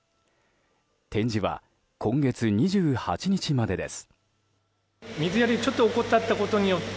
展示は今月２８日までです。